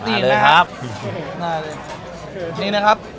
น่าเลยครับ